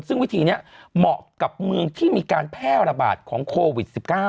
ซึ่งวิธีนี้เหมาะกับเมืองที่มีการแพร่ระบาดของโควิด๑๙